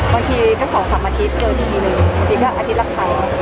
บางทีก็๒๓อาทิตย์เจอทีนึงบางทีก็อาทิตย์ละครั้ง